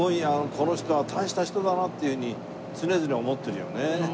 この人は大した人だな」っていうふうに常々思ってるよね。